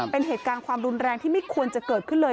เป็นเหตุการณ์ความรุนแรงที่ไม่ควรจะเกิดขึ้นเลย